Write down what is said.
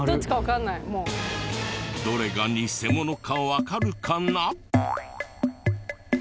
どれが偽物かわかるかな？